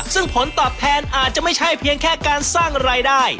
ซึ่งผลตอบแทนอาจจะไม่ใช่เพียงแค่การสร้างรายได้